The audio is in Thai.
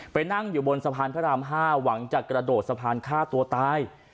นั่งอยู่บนสะพานพระราม๕หวังจะกระโดดสะพานฆ่าตัวตาย